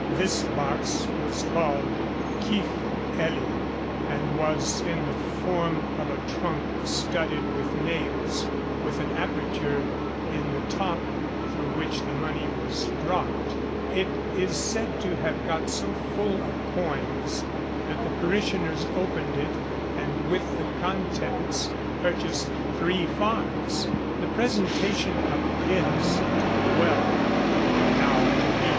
This box was called cyff elian, and was in the form of a trunk studded with nails, with an aperture in the top through which the money was dropped. It is said to have got so full of coins that the parishioners opened it, and with the contents purchased three farms.